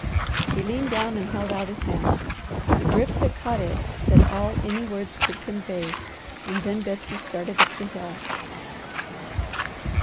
He leaned down and held out his hand. The grip that caught it said all any words could convey; and then Betsy started up the hill.